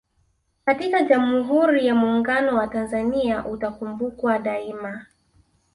katika Jamuhuri ya Muuunguno wa Tanzania utakumbukwa daima